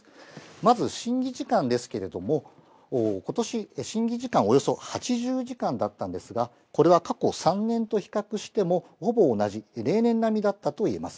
まず審議時間ですけれども、ことし、審議時間およそ８０時間だったんですが、これは過去３年と比較しても、ほぼ同じ、例年並みだったといえます。